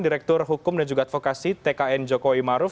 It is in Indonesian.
direktur hukum dan juga advokasi tkn jokowi maruf